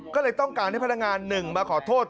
ก็เลยต้องการให้พนักงานหนึ่งมาขอโทษ